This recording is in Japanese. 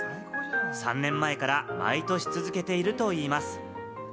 ３年前から毎年続けているといいます。